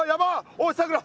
おいさくら！